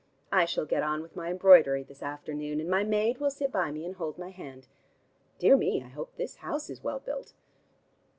I shall get on with my embroidery this afternoon, and my maid will sit by me and hold my hand. Dear me, I hope the house is well built."